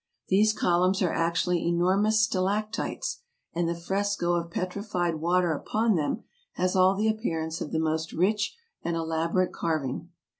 These columns are actually enormous stalac tites, and the fresco of petrified water upon them has all the appearance of the most rich and elaborate carving.